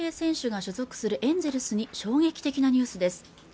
続いて大谷翔平選手が所属するエンゼルスに衝撃的なニュースです